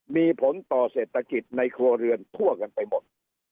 มีผลต่อเศรษฐกิจในครัวเรือนทั่วกันไปหมด